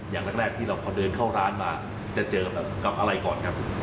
อย่างแรกที่เราพอเดินเข้าร้านมาจะเจอกับอะไรก่อนครับ